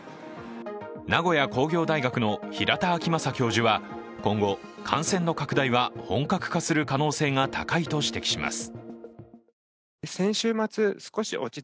名古屋工業大学の平田晃正教授は今後、感染の拡大は本格化する可能性が高いと指摘します。